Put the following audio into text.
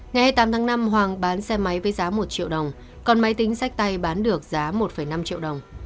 ngày hai mươi tám tháng năm hoàng bán xe máy với giá một triệu đồng còn máy tính sách tay bán được giá một năm triệu đồng